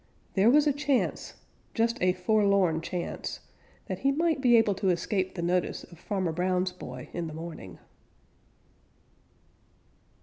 There was a chance, just a forlorn chance, that he might be able to escape the notice of Farmer Brown's boy in the morning.